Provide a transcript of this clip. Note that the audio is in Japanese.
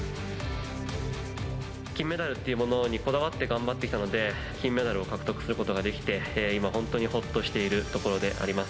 金メダルっていうものにこだわって頑張ってきたので、金メダルを獲得することができて今、本当にほっとしているところであります。